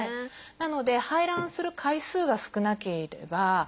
なので排卵する回数が少なければ。